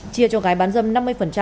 chia cho cái bán dân năm mươi